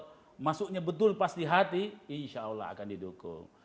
kalau masuknya betul pas di hati insya allah akan didukung